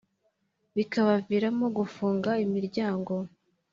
bikabaviramo gufunga imiryango